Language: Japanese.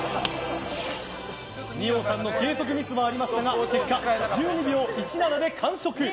二葉さんの計測ミスはありましたが結果１２秒１７で完食！